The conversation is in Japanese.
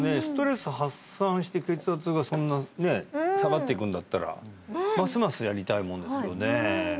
ストレス発散して血圧がそんなね下がっていくんだったらますますやりたいものですよね